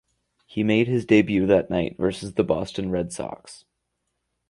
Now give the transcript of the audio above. He made his debut that night versus the Boston Red Sox.